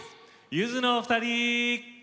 ゆずのお二人！